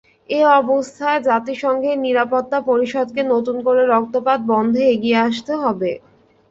এ অবস্থায় জাতিসংঘের নিরাপত্তা পরিষদকে নতুন করে রক্তপাত বন্ধে এগিয়ে আসতে হবে।